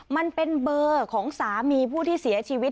มันเป็นเบอร์ของสามีผู้ที่เสียชีวิต